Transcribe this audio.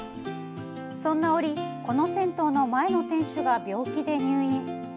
そんな折この銭湯の前の店主が病気で入院。